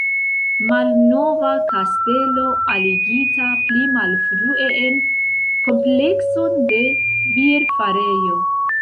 Malnova kastelo, aligita pli malfrue en komplekson de bierfarejo.